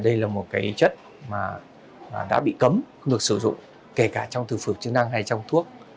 đây là một chất đã bị cấm không được sử dụng kể cả trong thực phục chức năng hay trong thuốc